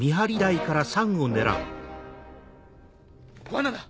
罠だ！